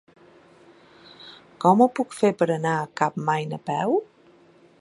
Com ho puc fer per anar a Capmany a peu?